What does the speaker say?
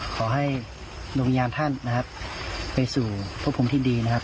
ขอให้ดวงยานท่านไปสู่ผู้คุมที่ดีนะครับ